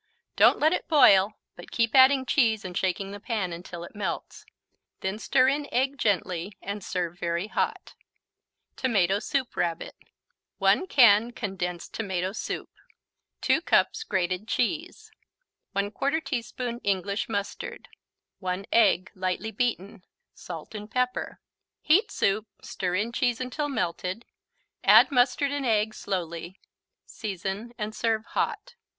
Don't let it boil, but keep adding cheese and shaking the pan until it melts. Then stir in egg gently and serve very hot Tomato Soup Rabbit 1 can condensed tomato soup 2 cups grated cheese 1/4 teaspoon English mustard 1 egg, lightly beaten Salt and pepper Heat soup, stir in cheese until melted, add mustard and egg slowly, season and serve hot.